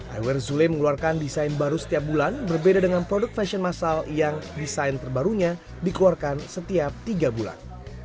iwer zule mengeluarkan desain baru setiap bulan berbeda dengan produk fashion masal yang desain terbarunya dikeluarkan setiap tiga bulan